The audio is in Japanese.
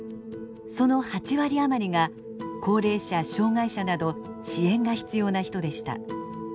その８割余りが高齢者・障害者など支援が必要な人でした。